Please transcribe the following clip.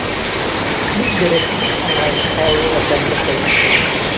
— Бик дөрөҫ, бик аңлайбыҙ, Ҡәүи әфәндекәй!